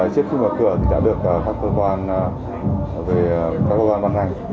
chiếc khu mở cửa đã được các cơ quan bán ngành